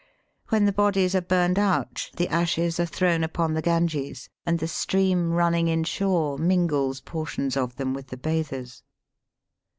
When the bodies are burned out, the ashes are thrown upon the Ganges, and the stream running inshore mingles portions of them with the bathers.